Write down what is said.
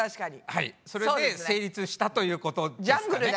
はいそれで成立したということですかね。